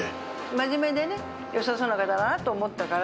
真面目でね、よさそうな方だなと思ったから。